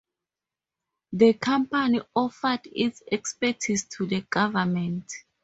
The company offered its expertise to the government.